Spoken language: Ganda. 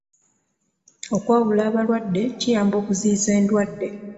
Okwawula abalwaadde kiyamba okiziyiza endwadde.